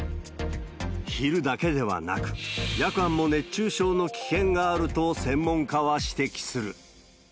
昼だけではなく、夜間も熱中症の危険があると専門家は指摘する。